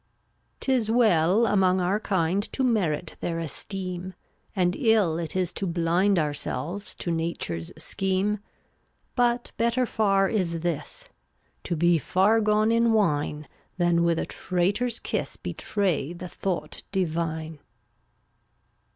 355 'Tis well among our kind To merit their esteem, And ill it is to blind Ourselves to nature's Scheme. But better far is this: To be far gone in wine Than with a traitor's kiss Betray the Thought Divine.